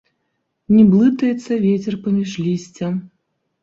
Не блытаецца вецер паміж лісця.